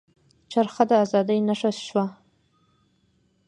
چرخه د ازادۍ نښه شوه.